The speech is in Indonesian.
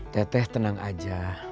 teteh tenang aja